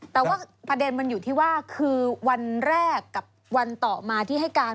แต่ว่าประเด็นมันอยู่ที่ว่าคือวันแรกกับวันต่อมาที่ให้การ